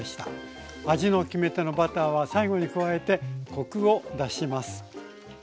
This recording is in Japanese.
味の決め手のバターは最後に加えてコクを出します。